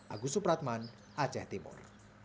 agus supratman aceh timur